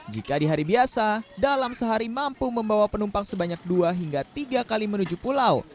jika di hari biasa dalam sehari mampu membawa penumpang sebanyak dua hingga tiga kali menuju pulau